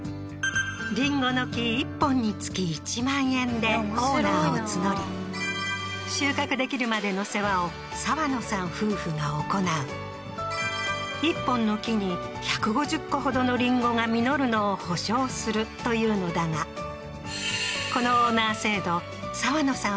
りんごの木１本につき１万円でオーナーを募り収穫できるまでの世話を澤野さん夫婦が行う１本の木に１５０個ほどのりんごが実るのを保証するというのだがこのオーナー制度澤野さん